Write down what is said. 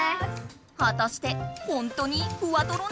はたしてほんとにフワトロなの？